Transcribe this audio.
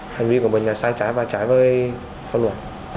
hành vi của mình là sai trái và trái với phong luận